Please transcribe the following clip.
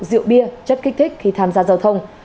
sử dụng rượu bia chất kích thích khi tham gia giao thông